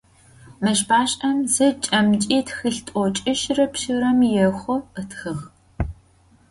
Meşbaş'em zeç'emç'i txılh t'oç'işıre pş'ırem yêxhu ıtxığ.